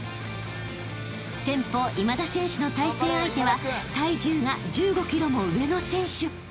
［先鋒今田選手の対戦相手は体重が１５ｋｇも上の選手］